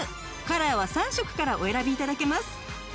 カラーは３色からお選び頂けます。